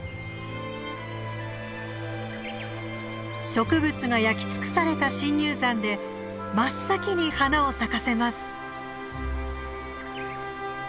植物が焼き尽くされた深入山で真っ先に花を咲かせます。